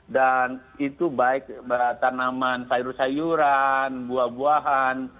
dan itu baik tanaman sayur sayuran buah buahan